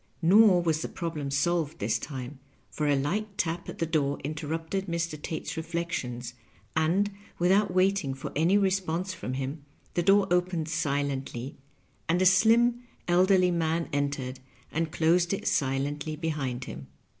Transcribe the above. Nor was the problem solved this time, for a light tap at the door interrupted Mr. Tate's reflections, and, with out waiting for any response from him, the door opened silently, and a slim, elderly man entered, and closed it silently behind him.